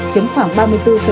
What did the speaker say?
chứng khoảng ba mươi bốn sáu